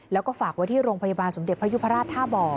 แล้วก็ฝากไว้ที่โรงพยาบาลสมเด็จพระยุพราชท่าบ่อ